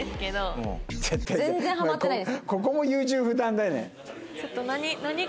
ここも優柔不断だよね。